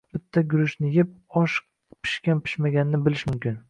Bitta guruchni yeb, osh pishgan-pishmaganini bilish mumkin